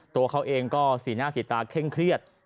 ตัวเขาเองก็สีหน้าสีตาเคร่งเครียด